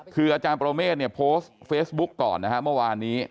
คืออาจารย์ประเมฆเนี่ยโพสต์เฟซบุ๊กก่อนนะฮะเมื่อวานนี้